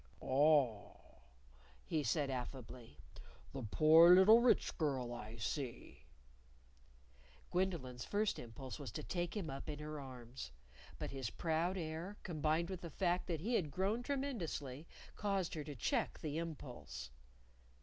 "Ah!" said he, affably. "The Poor Little Rich Girl, I see!" Gwendolyn's first impulse was to take him up in her arms. But his proud air, combined with the fact that he had grown tremendously, caused her to check the impulse.